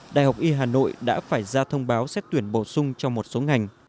đại học y hà nội đã phải ra thông báo xét tuyển bổ sung cho một số ngành